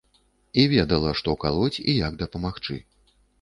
І ведала, што калоць і як дапамагчы.